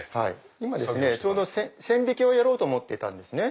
今ちょうど線引きをやろうと思っていたんですね。